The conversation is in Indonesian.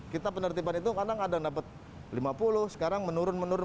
kita penertiban itu kadang kadang dapat lima puluh sekarang menurun menurun